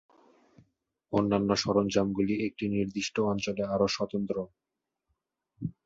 অন্যান্য সরঞ্জামগুলি একটি নির্দিষ্ট অঞ্চলে আরও স্বতন্ত্র।